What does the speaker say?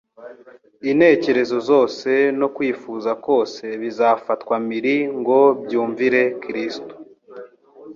Intekerezo zose no kwifuza kose bizafatwa mpiri ngo byumvire Kristo.